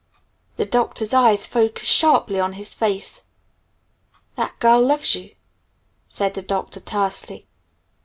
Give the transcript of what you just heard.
The Doctor's eyes focused sharply on his face. "That girl loves you," said the Doctor tersely.